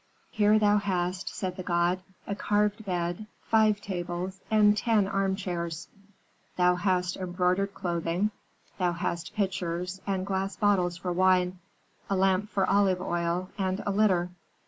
"'Here thou hast,' said the god, 'a carved bed, five tables, and ten armchairs; thou hast embroidered clothing, thou hast pitchers, and glass bottles for wine, a lamp for olive oil, and a litter.'